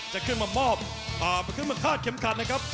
จะขึ้นมามอบขึ้นมาคาดเข็มขัดนะครับ